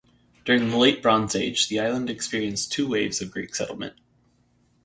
During the late Bronze Age the island experienced two waves of Greek settlement.